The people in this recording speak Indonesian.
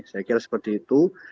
saya kira seperti itu